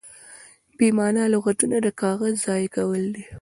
بې مانا لغتونه د کاغذ ضایع کول دي.